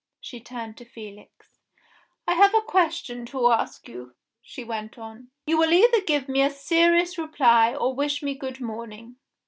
She turned to Felix. "I have a question to ask you," she went on. "You will either give me a serious reply, or wish me good morning."